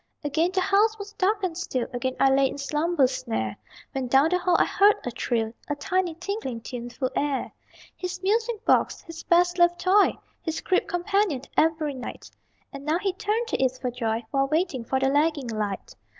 Again the house was dark and still, Again I lay in slumber's snare, When down the hall I heard a trill, A tiny, tinkling, tuneful air His music box! His best loved toy, His crib companion every night; And now he turned to it for joy While waiting for the lagging light.